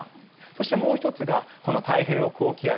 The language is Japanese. そして、もう１つが太平洋高気圧